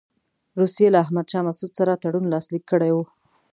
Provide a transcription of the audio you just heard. روسیې له احمدشاه مسعود سره تړون لاسلیک کړی وو.